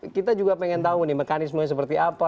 kita juga pengen tahu nih mekanismenya seperti apa